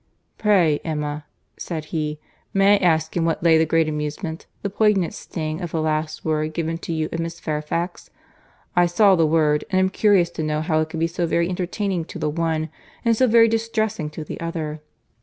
"Pray, Emma," said he, "may I ask in what lay the great amusement, the poignant sting of the last word given to you and Miss Fairfax? I saw the word, and am curious to know how it could be so very entertaining to the one, and so very distressing to the other."